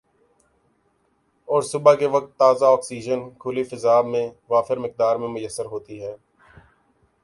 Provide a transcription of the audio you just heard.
اور صبح کے وقت تازہ آکسیجن کھلی فضا میں وافر مقدار میں میسر ہوتی ہے